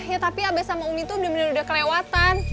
ya tapi abe sama umi tuh bener bener udah kelewatan